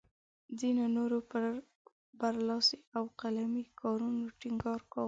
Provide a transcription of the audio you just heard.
ځینو نورو پر برلاسي او قلمي کارونو ټینګار کاوه.